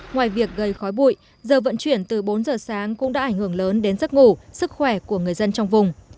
ngoài việc gây khói bụi giờ vận chuyển từ bốn giờ sáng cũng đã ảnh hưởng lớn đến giấc ngủ sức khỏe của người dân trong vùng